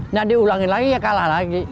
nggak diulangin lagi ya kalah lagi